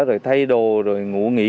rồi thay đồ rồi ngủ nghỉ